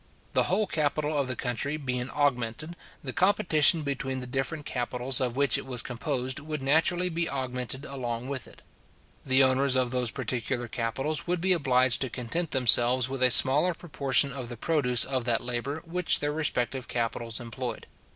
The whole capital of the country being augmented, the competition between the different capitals of which it was composed would naturally be augmented along with it. The owners of those particular capitals would be obliged to content themselves with a smaller proportion of the produce of that labour which their respective capitals employed.